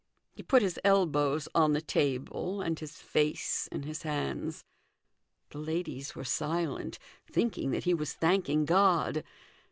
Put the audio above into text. He put his elbows on the table, and his face in his hands. The ladies were silent, thinking that he was thanking God.